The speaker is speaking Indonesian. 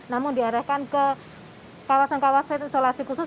namun diarahkan ke kawasan kawasan isolasi khusus